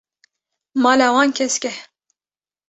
Mala wan kesk e.